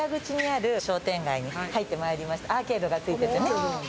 アーケードがついててね。